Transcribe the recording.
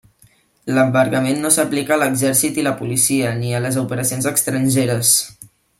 L'embargament no s'aplicaria a l'exèrcit i la policia, ni a les operacions estrangeres.